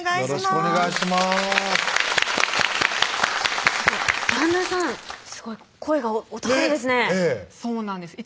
すごい声がお高いですね